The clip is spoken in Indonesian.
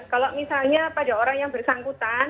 kalau misalnya pada orang yang bersangkutan